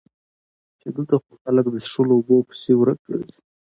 چې دلته خو خلک د څښلو اوبو پسې ورک ګرځي